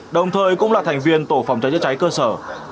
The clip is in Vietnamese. đồng thời cũng là thành viên tổ phòng cháy chữa cháy cơ sở